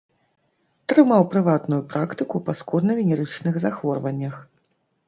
Трымаў прыватную практыку па скурна-венерычных захворваннях.